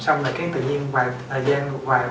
xong rồi cái tự nhiên thời gian vài